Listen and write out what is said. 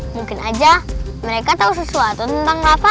mungkin aja mereka tau sesuatu tentang rafa